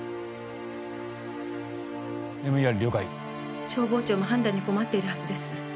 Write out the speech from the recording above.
ＭＥＲ了解消防庁も判断に困っているはずです